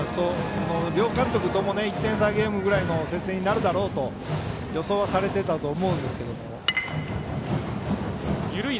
両監督ともに１点差ぐらいの接戦になるだろうと予想はされていたんだと思うんですが。